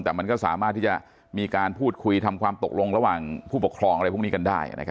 แต่มันก็สามารถที่จะมีการพูดคุยทำความตกลงระหว่างผู้ปกครองอะไรพวกนี้กันได้